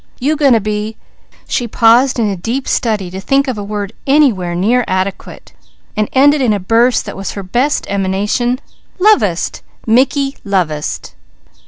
You going to be" she paused in a deep study to think of a word anywhere nearly adequate, then ended in a burst that was her best emanation "lovest! Mickey lovest!"